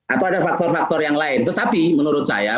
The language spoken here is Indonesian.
atau ada faktor faktor yang lain tetapi menurut saya